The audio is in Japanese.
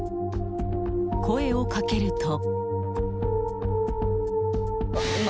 声をかけると。